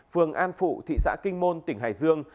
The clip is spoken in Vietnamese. phường an phụ thị xã kinh môn tỉnh hải dương